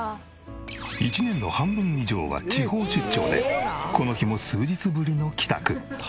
１年の半分以上は地方出張でこの日も数日ぶりの帰宅。